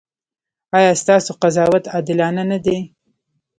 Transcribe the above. ایا ستاسو قضاوت عادلانه نه دی؟